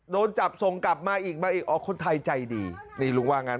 โดนจับส่งกลับมาอีกมาอีกอ๋อคนไทยใจดีนี่ลุงว่างั้น